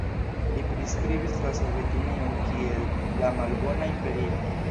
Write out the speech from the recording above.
Li priskribis la Sovetunion kiel "la malbona imperio".